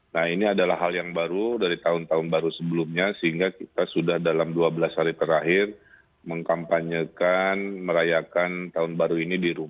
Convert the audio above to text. nah ini adalah hal yang baru dari tahun tahun baru sebelumnya sehingga kita sudah dalam dua belas hari terakhir mengkampanyekan merayakan tahun baru ini di rumah